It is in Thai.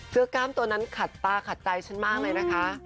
กล้ามตัวนั้นขัดตาขัดใจฉันมากเลยนะคะ